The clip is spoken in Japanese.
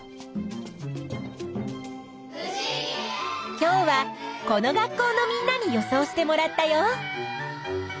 今日はこの学校のみんなに予想してもらったよ。